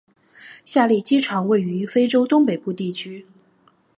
下列机场位于非洲东北部地区。